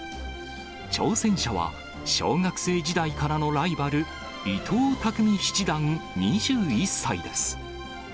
挑戦者は、小学生時代からのライバル、伊藤匠七段２１歳です。